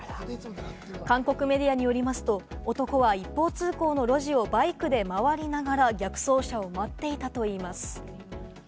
韓国メディアによりますと、男は、一方通行の路地をバイクで回りながら逆走車を待っていたといいます。